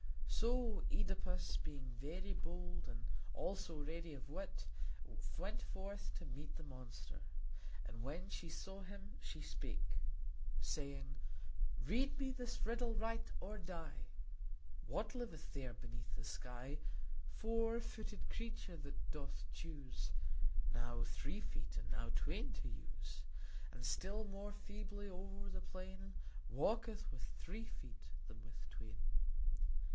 So Œdipus, being very bold, and also ready of wit, went forth to meet the monster. And when she saw him she spake, saying: "Read me this riddle right, or die: What liveth there beneath the sky, Four footed creature that doth choose Now three feet and now twain to use, And still more feebly o'er the plain Walketh with three feet than with twain?"